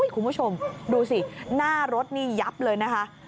คุณผู้ชมดูสิหน้ารถนี่ยับเลยนะคะ